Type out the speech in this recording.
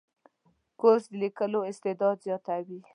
کورس د لیکلو استعداد زیاتوي.